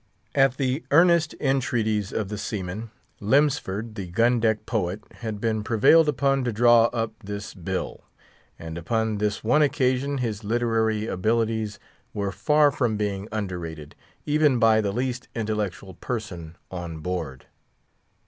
At the earnest entreaties of the seamen, Lemsford, the gun deck poet, had been prevailed upon to draw up this bill. And upon this one occasion his literary abilities were far from being underrated, even by the least intellectual person on board.